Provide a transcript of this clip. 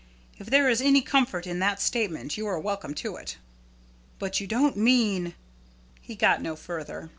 If there is any comfort in that statement, you are welcome to it." "But you don't mean " he got no further.